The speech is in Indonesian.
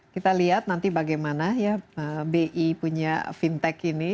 kita lihat nanti bagaimana ya bi punya fintech ini